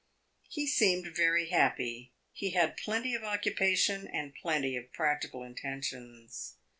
He seemed very happy; he had plenty of occupation and plenty of practical intentions.